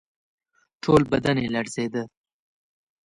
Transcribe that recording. ټول بدن یې لړزېده.